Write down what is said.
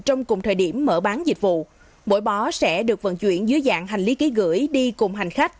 trong cùng thời điểm mở bán dịch vụ mỗi bó sẽ được vận chuyển dưới dạng hành lý ký gửi đi cùng hành khách